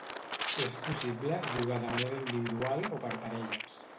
És possible jugar de manera individual o per parelles.